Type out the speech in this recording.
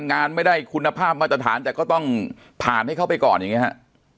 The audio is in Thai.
งานไม่ได้คุณภาพมาตรฐานแต่ก็ต้องผ่านให้เข้าไปก่อนอย่างนี้ฮะ